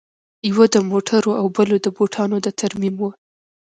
یوه د موټرو او بله د بوټانو د ترمیم وه